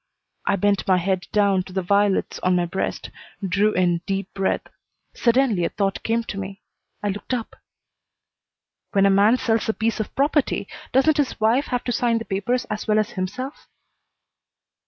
I bent my head down to the violets on my breast, drew in deep breath. Suddenly a thought came to me. I looked up. "When a man sells a piece of property doesn't his wife have to sign the papers as well as himself?"